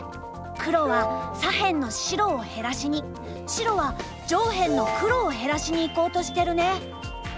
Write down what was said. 黒は左辺の白を減らしに白は上辺の黒を減らしにいこうとしてるね。